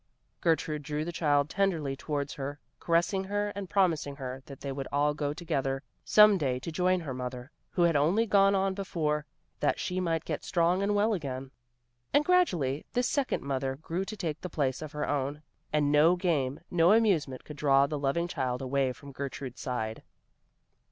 Gertrude drew the child tenderly towards her, caressing her, and promising her that they would all go together some day to join her mother, who had only gone on before, that she might get strong and well again. And gradually this second mother grew to take the place of her own, and no game, no amusement could draw the loving child away from Gertrude's side.